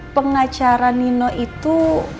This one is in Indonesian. pengacara nino itu